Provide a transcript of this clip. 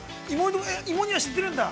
◆芋煮は知ってるんだ。